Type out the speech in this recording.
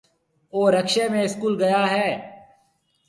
اُو رڪشيَ ۾ اسڪول گيا هيَ۔